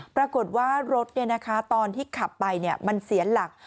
ปรากฏว่ารถตอนที่ขับไปมันเสียหลัก